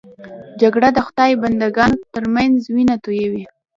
جګړه د خدای بنده ګانو تر منځ وینه تویوي